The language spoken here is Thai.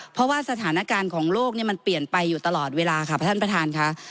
เพราะว่าสถานการณ์ของโลกมันเปลี่ยนไปอยู่ตลอดเวลาค่ะท่านประธานค่ะ